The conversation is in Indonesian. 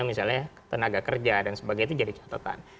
misalnya tenaga kerja dan sebagainya itu jadi catatan